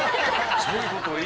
そういうことを。